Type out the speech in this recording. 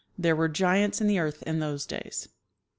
" Tliere were giants in the earth in those days."